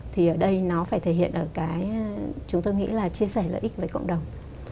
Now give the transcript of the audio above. thì ở đây nó phải thể hiện ở cái chúng tôi nghĩ là chia sẻ lợi ích với cộng đồng